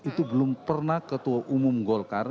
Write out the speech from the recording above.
itu belum pernah ketua umum golkar